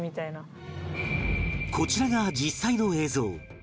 こちらが実際の映像